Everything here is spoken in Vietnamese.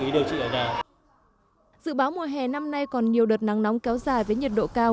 dự báo mùa hè năm nay còn nhiều đợt nắng nóng kéo dài với nhiệt độ cao